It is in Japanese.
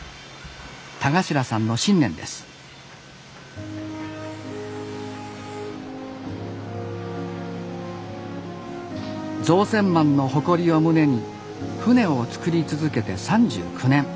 田頭さんの信念です造船マンの誇りを胸に船を造り続けて３９年。